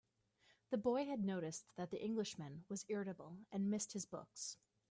The boy had noticed that the Englishman was irritable, and missed his books.